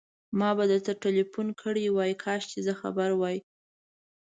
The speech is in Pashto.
ما به درته ټليفون کړی وای، کاش چې زه خبر وای.